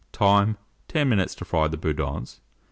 Time. 10 minutes to fry the boudins.